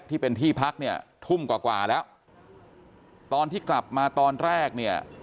ที่เป็นที่พักเนี่ยทุ่มกว่ากว่าแล้วตอนที่กลับมาตอนแรกเนี่ย